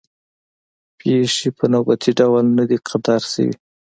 پېښې په نوبتي ډول نه دي قطار شوې.